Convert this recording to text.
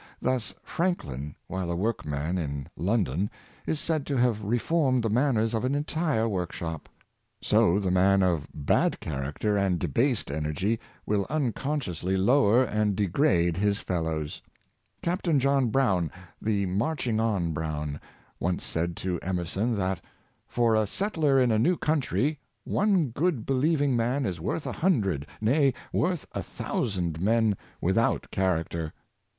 Thus Franklin, while a workman in London, is said to have reformed the manners of an entire workshop. So the man of bad character and debased energy will uncon sciously lower and degrade his fellows. Captain John Brown, the " marching on Brown," once said to Emer son, that " for a settler in a new country, one good be lieving man is worth a hundred, nay, worth a thousand men without character."